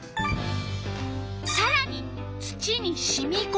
さらに「土にしみこむ」。